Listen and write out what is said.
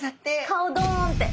顔ドーンって。